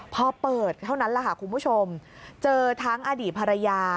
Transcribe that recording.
พอเปิดเท่านั้นแหละค่ะคุณผู้ชมเจอทั้งอดีตภรรยา